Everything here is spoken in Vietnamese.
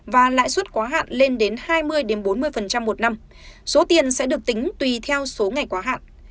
và lãi suất quá hạn lên đến hai mươi bốn mươi một năm số tiền sẽ được tính tùy theo số ngày quá hạn